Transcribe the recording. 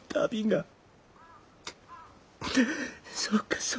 そうか。